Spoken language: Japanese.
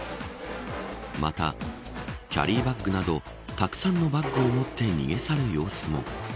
またキャリーバッグなどたくさんのバッグを持って逃げ去る様子も。